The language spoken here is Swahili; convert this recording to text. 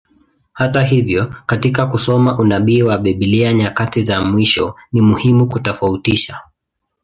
Hata hivyo, katika kusoma unabii wa Biblia nyakati za mwisho, ni muhimu kutofautisha.